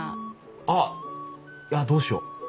あっあっどうしよう。